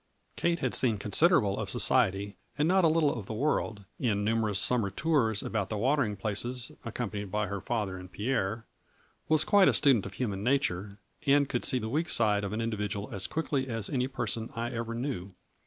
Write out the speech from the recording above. Kate had seen considerable of society and not a little of the w r orld, in numer ous summer tours about the watering places, accompanied by her father and Pierre, was quite a student of human nature, and could see the weak side of an individual as quickly as any person I ever knew.